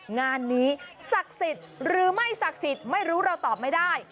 งานนี้ศักดิ์สิทธิ์หรือไม่ศักดิ์สิทธิ์ไม่รู้เราตอบไม่ได้